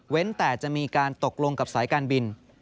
แต่จะมีการตกลงกับสายการบิน